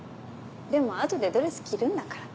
でも後でドレス着るんだから。